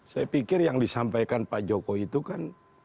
saya pikir yang disampaikan pak jokowi itu kan